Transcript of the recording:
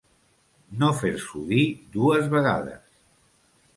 No fer-s'ho dir dues vegades.